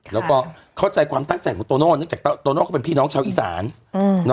แล้วก็เข้าใจความตั้งใจของโตโน่เนื่องจากโตโน่ก็เป็นพี่น้องชาวอีสาน